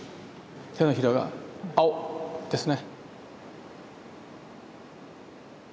手のひらが青！ですね。